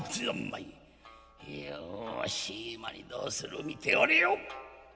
よし今にどうする見ておれよ！」。